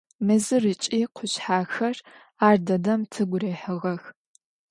Mezır ıç'i khuşshexer ardedem tıgu rihığex.